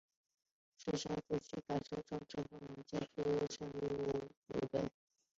暗杀者称其改革政策帮助基督教渗入日本。